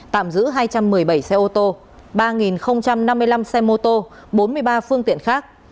tạm giữ hai trăm một mươi bảy xe ô tô ba năm mươi năm xe mô tô bốn mươi ba phương tiện khác